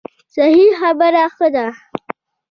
صحیح خبره ښه ده.